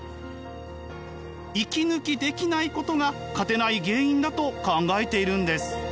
息抜きできないことが勝てない原因だと考えているんです。